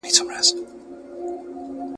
زدهکړي د هېواد د روښانه راتلونکي بنسټ دئ.